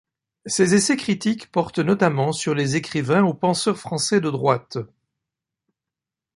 Ses essais critiques portent notamment sur les écrivains ou penseurs français de droite.